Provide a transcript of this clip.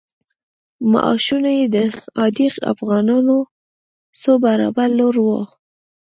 معاشونه یې د عادي افغانانو څو برابره لوړ وو.